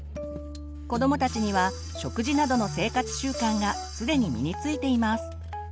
子どもたちには食事などの生活習慣がすでに身についています。